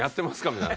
みたいな。